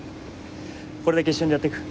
これだけ一緒にやっていく。